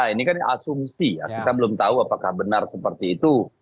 ini kan asumsi ya kita belum tahu apakah benar seperti itu